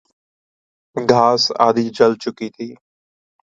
گھاس آدھی جل چکی تھی